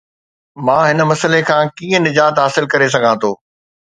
مان هن مسئلي کان ڪيئن نجات حاصل ڪري سگهان ٿو؟